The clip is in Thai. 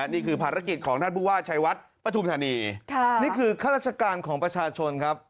นี่คือภารกิจของท่านผู้ว่าชัยวัดปฐุมธานีนี่คือข้าราชการของประชาชนครับ